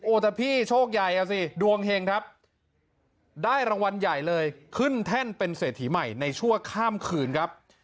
แต่พี่โชคใหญ่อ่ะสิดวงเห็งครับได้รางวัลใหญ่เลยขึ้นแท่นเป็นเศรษฐีใหม่ในชั่วข้ามคืนครับ